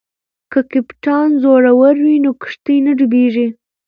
که کپتان زړور وي نو کښتۍ نه ډوبیږي.